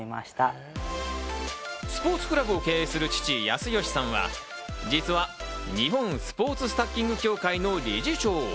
スポーツクラブを経営する父・康徳さんは実は日本スポーツスタッキング協会の理事長。